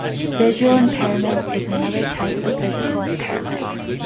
Visual impairment is another type of physical impairment.